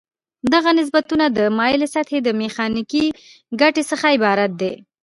دغه نسبتونه د مایلې سطحې د میخانیکي ګټې څخه عبارت دي.